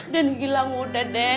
den gilang udah den